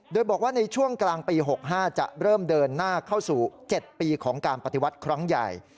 โดยบอกว่าในช่วงกลางปี๖๕จะเริ่มเดินหน้าเข้าสู่๗ปีของการปฏิวัติครั้งใหญ่